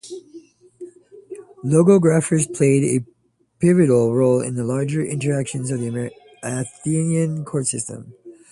Logographers played a pivotal role in the larger interactions of the Athenian court system.